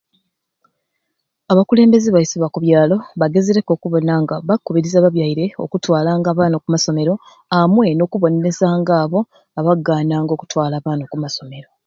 Abakulembeze baiswe aba ku byalo bagezereku okubona nga bakukubiriza ababyaire bakutwalanga abaana oku masomero amwei n'okubonerezanga abo abakugananga oku twala abaana oku masomero.